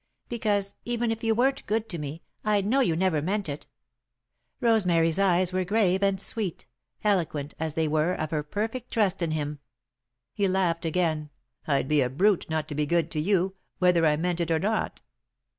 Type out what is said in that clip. "Because, even if you weren't good to me, I'd know you never meant it." Rosemary's eyes were grave and sweet; eloquent, as they were, of her perfect trust in him. He laughed again. "I'd be a brute not to be good to you, whether I meant it or not."